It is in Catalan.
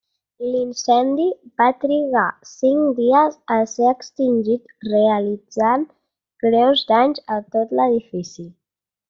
L'incendi va trigar cinc dies a ser extingit realitzant greus danys a tot l'edifici.